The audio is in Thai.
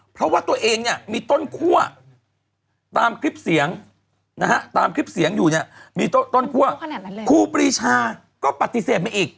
เพราะว่าตัวเองมีต้นขั้วตามคลิปเสียงครูปีชาก็ปฏิเสธมันอีก